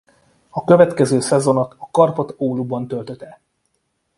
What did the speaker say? A következő szezonat a Karpat Ouluban töltöte.